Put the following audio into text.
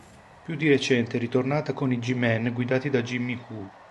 Più di recente è ritornata con i G-Men guidati da Jimmy Woo.